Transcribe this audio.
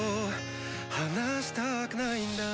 「離したくないんだ」